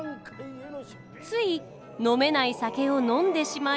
つい飲めない酒を飲んでしまい。